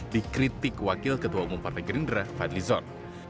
dikritik wakil ketua umum partai gerindra fadli zon